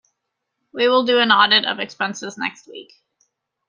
We will do an audit of expenses next week.